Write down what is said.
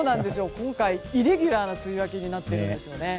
今回、イレギュラーな梅雨明けになってるんですよね。